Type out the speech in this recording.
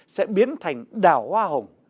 sẽ biến thành đảo hoa hồng